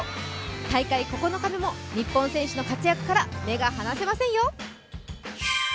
大会９日目も日本選手の活躍から目が離せませんよ！